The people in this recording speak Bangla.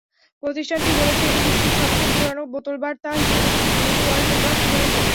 প্রতিষ্ঠানটি বলেছে, এটি বিশ্বের সবচেয়ে পুরোনো বোতলবার্তা হিসেবে গিনেস ওয়ার্ল্ড রেকর্ডস গড়েছে।